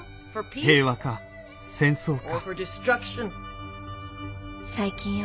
「平和か戦争か。